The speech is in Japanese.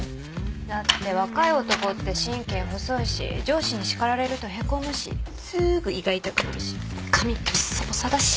だって若い男って神経細いし上司に叱られるとへこむしすーぐ胃が痛くなるし髪ぼっさぼさだし。